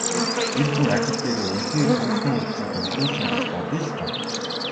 Эр хүн ажил дээрээ үнэхээр хүндхэн өдрийг өнгөрөөсөн гэж бодъё л доо.